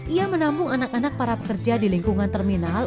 ia menampung anak anak para pekerja di lingkungan terminal